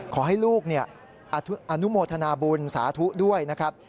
ขอให้ลูกอนุโมทนาบุญสาธุด้วยนะครับ